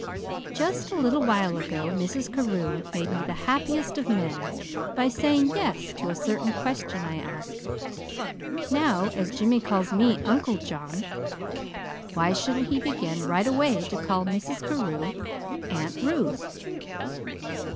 "Just a little while ago Mrs. Carew made me the happiest of men by saying yes to a certain question I asked. Now, as Jimmy calls me 'Uncle John,' why shouldn't he begin right away to call Mrs. Carew 'Aunt Ruth'?"